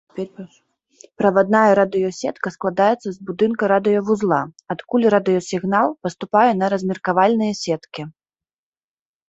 Правадная радыёсетка складаецца з будынка радыёвузла, адкуль радыёсігнал паступае на размеркавальныя сеткі.